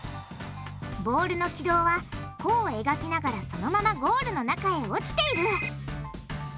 ボールの軌道は弧を描きながらそのままゴールの中へ落ちている！